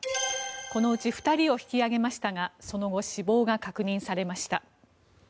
このうち２人を引き揚げましたがその後、死亡が確認されました。